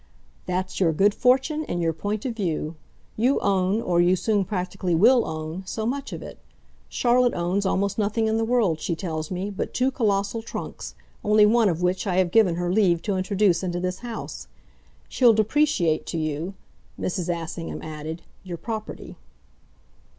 "That's your good fortune and your point of view. You own or you soon practically WILL own so much of it. Charlotte owns almost nothing in the world, she tells me, but two colossal trunks only one of which I have given her leave to introduce into this house. She'll depreciate to you," Mrs. Assingham added, "your property."